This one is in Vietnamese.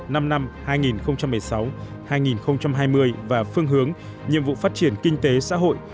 năm năm hai nghìn một mươi sáu hai nghìn hai mươi và phương hướng nhiệm vụ phát triển kinh tế xã hội